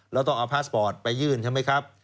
แล้วต้องเอาพาสปอร์ตไปยื่นใช่ไหมครับ